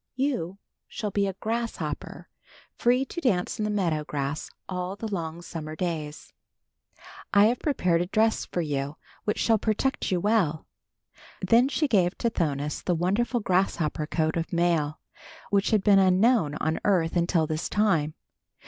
"You shall be a grasshopper, free to dance in the meadow grass all the long summer days. "I have prepared a dress for you, which shall protect you well." Then she gave Tithonus the wonderful grasshopper coat of mail which had been unknown on earth until this time.